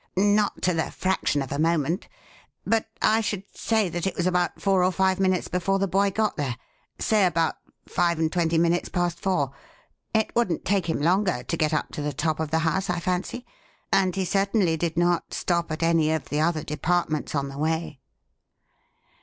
"Not to the fraction of a moment. But I should say that it was about four or five minutes before the boy got there say about five and twenty minutes past four. It wouldn't take him longer to get up to the top of the house, I fancy, and he certainly did not stop at any of the other departments on the way."